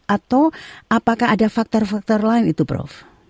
atau apakah ada faktor faktor lain itu prof